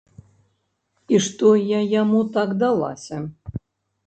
І што я яму так далася?